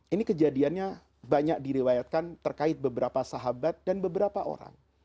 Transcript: ini kejadiannya banyak diriwayatkan terkait beberapa sahabat dan beberapa orang